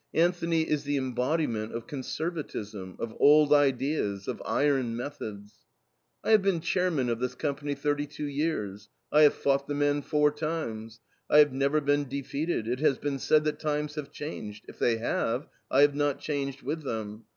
Anthony is the embodiment of conservatism, of old ideas, of iron methods: "I have been chairman of this company thirty two years. I have fought the men four times. I have never been defeated. It has been said that times have changed. If they have, I have not changed with them.